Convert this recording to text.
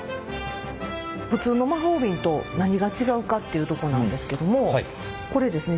普通の魔法瓶と何が違うかっていうとこなんですけどもこれですね